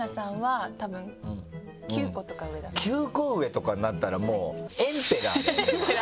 ９個上とかになったらもうエンペラーだよね